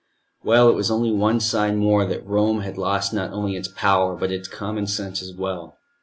Well, it was only one sign more that Rome had lost not only its power, but its common sense as well.